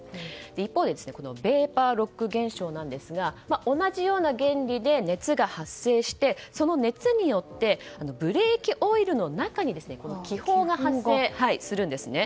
一方でベーパーロック現象なんですが同じような原理で熱が発生してその熱によってブレーキオイルの中に気泡が発生するんですね。